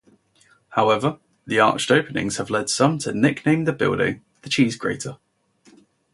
However, the arched openings have led some to nickname the building the "cheese grater".